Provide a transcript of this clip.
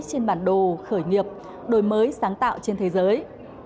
trên bản đồ khởi nghiệp đổi mới sáng tạo trên thế giới